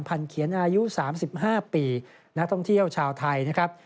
เขียนอายุ๓๕ปีนักท่องเที่ยวชาวไทยนะครับ